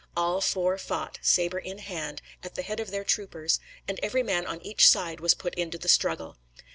All four fought, saber in hand, at the head of their troopers, and every man on each side was put into the struggle.